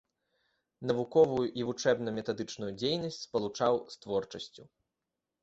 Навуковую і вучэбна-метадычную дзейнасць спалучаў з творчасцю.